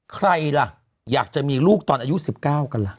ใครล่ะอยากจะมีลูกตอนอายุ๑๙กันล่ะ